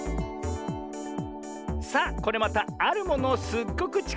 さあこれまたあるものをすっごくちかくでみているよ。